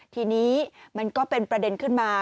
ทีนี้มันก็เป็นประเด็นขึ้นมา